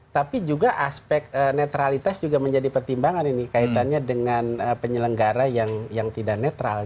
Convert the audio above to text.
tapi juga aspek netralitas juga menjadi pertimbangan ini kaitannya dengan penyelenggara yang tidak netral